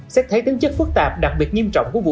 xét thấy tính chất phức tạp đặc biệt nghiêm trọng